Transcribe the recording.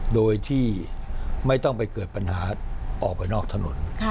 โดยที่ไม่ต้องไปเกิดปัญหาออกไปนอกถนน